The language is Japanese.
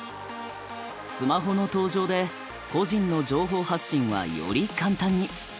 スマホの登場で個人の情報発信はより簡単に。